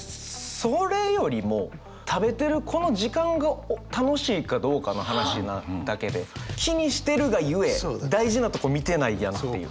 それよりも食べてるこの時間が楽しいかどうかの話なだけで気にしてるがゆえ大事なとこ見てないやんっていう。